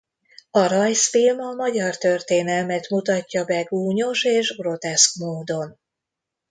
A rajzfilm a magyar történelmet mutatja be gúnyos és groteszk módon.